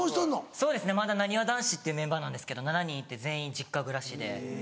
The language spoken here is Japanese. そうですねなにわ男子っていうメンバーなんですけど７人いて全員実家暮らしで。